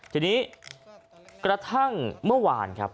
ทีนี้กระทั่งเมื่อวานครับ